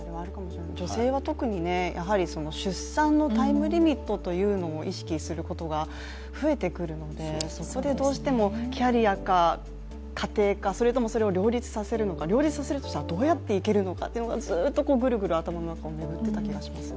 女性は特に、やはり出産のタイムリミットというのも意識することが増えてくるので、そこでどうしてもキャリアか、家庭か、それともそれを両立させるのか、両立させるとしたらどうやっていけるのかというのが、ずっとぐるぐる頭の中を巡ってた気がします。